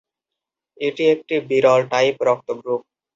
এটি একটি বিরল টাইপ রক্ত গ্রুপ।